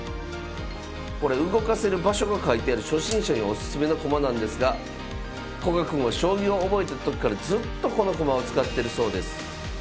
これ動かせる場所が書いてある初心者におすすめの駒なんですが古賀くんは将棋を覚えた時からずっとこの駒を使ってるそうです。